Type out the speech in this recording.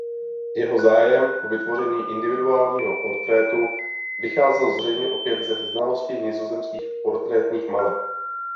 Jeho zájem o vytvoření individuálního portrétu vycházel zřejmě opět ze znalosti nizozemských portrétních maleb.